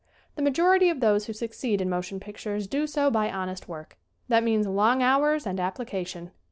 The majority of those who succeed in motion pictures do so by honest work. That means long hours and application.